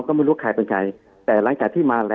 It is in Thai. คุณหมอประเมินสถานการณ์บรรยากาศนอกสภาหน่อยได้ไหมคะ